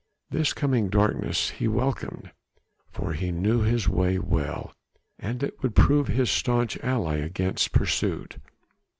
This coming darkness he welcomed, for he knew his way well, and it would prove his staunch ally against pursuit.